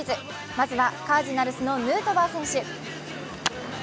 まずはカージナルスのヌートバー選手。